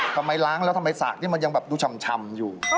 ล้างแล้วทำไมสากนี่มันยังแบบดูชำอยู่